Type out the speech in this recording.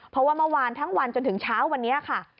เพราะว่าเมื่อวานทั้งวันจนถึงเช้าวันนี้ค่ะ